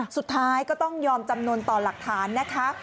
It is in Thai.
สุดท้ายก็ต้องยอมจำนวนต่อหลักฐานนะคะ